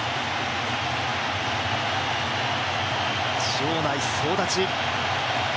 場内総立ち。